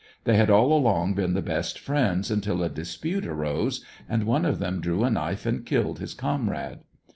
They had all along been the best friends until a dispute arose, and one of them drew a knife and killed his comrade.